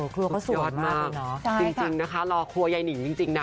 ครัวก็สวยมากเลยเนอะจริงนะคะรอครัวยายนิ๋งจริงนะ